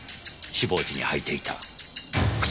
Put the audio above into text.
死亡時に履いていた靴。